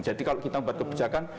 jadi kalau kita buat kebijakan